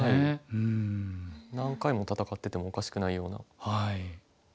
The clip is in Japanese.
何回も戦っててもおかしくないような。